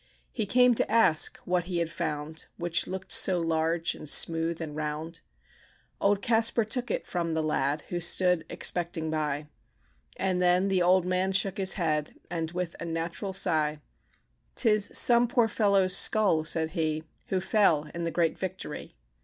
He came to ask what he had found, Which looked so large, and smooth, and round. Old Kaspar took it from the lad, Who stood expecting by And then the old man shook his head, And, with a natural sigh, "'Tis some poor fellow's skull," said he, "Who fell in the great victory.